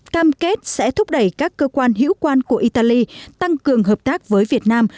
cam kết sẽ thúc đẩy các cơ quan hữu quan của italy tăng cường hợp tác với việt nam